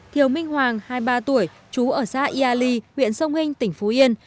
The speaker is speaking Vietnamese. thiều minh hoàng hai mươi ba tuổi chú ở xã yali huyện sông hinh tỉnh phú yên